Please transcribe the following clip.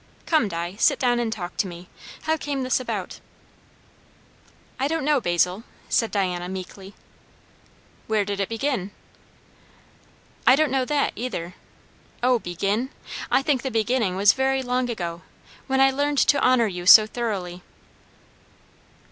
Come, Di, sit down and talk to me. How came this about?" "I don't know, Basil," said Diana meekly. "Where did it begin?" "I don't know that either. O, begin? I think the beginning was very long ago, when I learned to honour you so thoroughly."